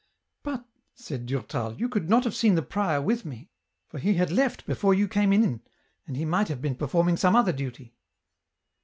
"But," said Durtal, "you could not have seen the prior with me, for he had left before you came in, and he might have oeen performing some other duty."